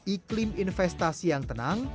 iklim investasi yang tenang